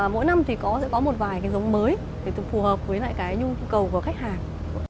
mỗi năm thì sẽ có một vài cái giống mới để phù hợp với lại cái nhu cầu của khách hàng